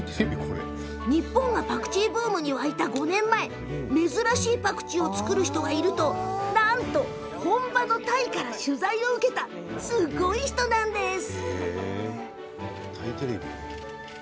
日本がパクチーブームに沸いた５年前珍しいパクチーを作る人がいると本場のタイから取材を受けたすごい人物なんです。